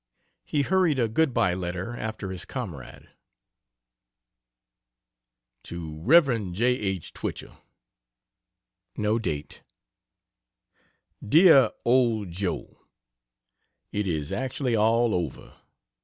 He hurried a good by letter after his comrade: To Rev. J. H. Twichell: (No date) DEAR OLD JOE, It is actually all over!